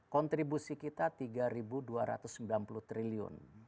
kontribusi kita rp tiga dua ratus sembilan puluh triliun